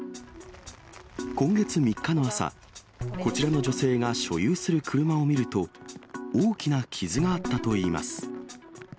今月３日の朝、こちらの女性が所有する車を見ると、大きな傷があったといいます。